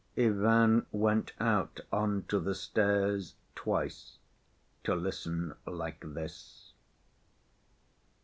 Ivan went out on to the stairs twice to listen like this.